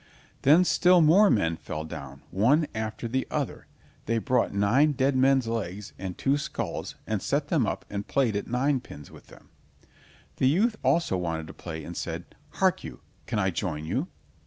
Then still more men fell down, one after the other; they brought nine dead men's legs and two skulls, and set them up and played at ninepins with them. The youth also wanted to play and said: "Hark you, can I join you?"